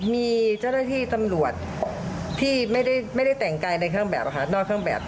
มีเจ้าหน้าที่ตำรวจที่ไม่ได้แต่งกายในเครื่องแบบค่ะนอกเครื่องแบบ